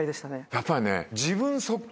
やっぱりね。